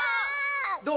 どう？